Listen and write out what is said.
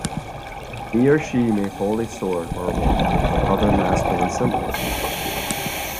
He or she may hold a sword or wand, or other masculine symbol.